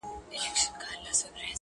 له ځانه ووتلم «نه» ته چي نه ـ نه وويل’